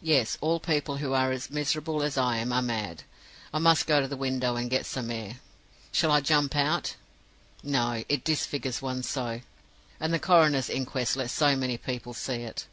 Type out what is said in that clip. Yes; all people who are as miserable as I am are mad. I must go to the window and get some air. Shall I jump out? No; it disfigures one so, and the coroner's inquest lets so many people see it.